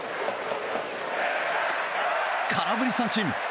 空振り三振！